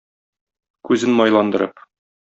Күзен майландырып.